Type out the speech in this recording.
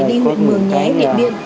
đi huyện mường nhé điện biên